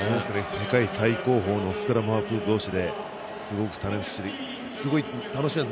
世界最高峰のスクラムハーフ同士ですごく楽しみです。